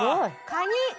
カニ！